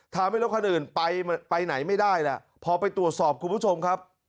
ถามให้แล้วคนอื่นไปไหนไม่ได้ล่ะพอไปตรวจสอบคุณผู้ชมครับ